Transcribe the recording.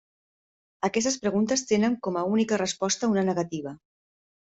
Aquestes preguntes tenen com a única resposta una negativa.